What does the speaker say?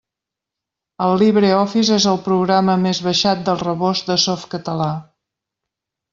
El LibreOffice és el programa més baixat del Rebost de Softcatalà.